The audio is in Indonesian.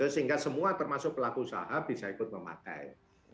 sehingga semua termasuk pelaku usaha bisa ikut memakai